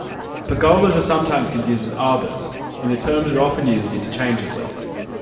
Pergolas are sometimes confused with arbours, and the terms are often used interchangeably.